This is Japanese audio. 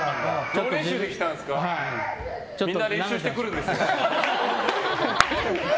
みんな練習してくるんですよ。